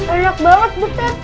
enak banget puta